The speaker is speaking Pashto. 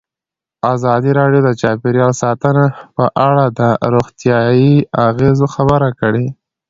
ازادي راډیو د چاپیریال ساتنه په اړه د روغتیایي اغېزو خبره کړې.